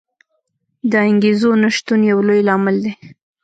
د انګېزو نه شتون یو لوی لامل دی.